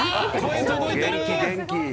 声、届いてる。